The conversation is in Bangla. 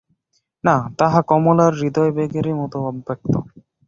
না, তাহা কমলার হৃদয়াবেগেরই মতো অব্যক্ত।